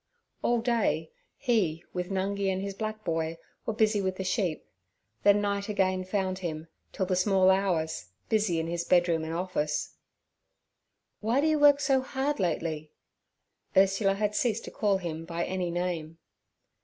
All day he, with Nungi and his black boy, were busy with the sheep; then night again found him, till the small hours, busy in his bedroom and office. 'Why do you work so hard lately?' Ursula had ceased to call him by any name.